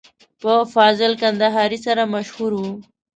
په فاضل کندهاري سره مشهور و.